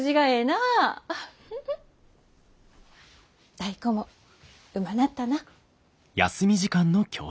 タイ子もうまなったな。